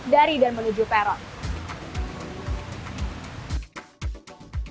dari dan menuju peron